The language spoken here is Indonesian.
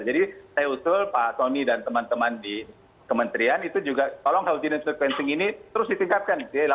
jadi saya usul pak tony dan teman teman di kementerian itu juga tolong whole genome sequencing ini terus ditingkatkan